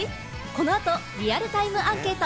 このあとリアルタイムアンケート。